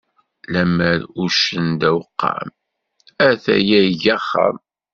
Lemmer uccen d aweqqam, a-t-aya iga axxam.